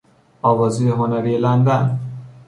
آوازهی هنری لندن